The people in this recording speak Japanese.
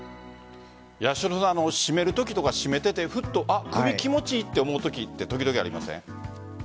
八代さん締めるときとか、締めててふと、首気持ち良いって思うときってありますね。